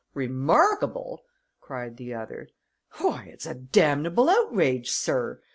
"Remarkable!" cried the other. "Why, it's a damnable outrage, sir!